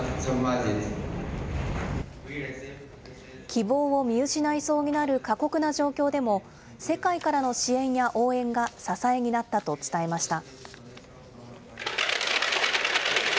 希望を見失いそうになる過酷な状況でも、世界からの支援や応援が支えになったと伝えました。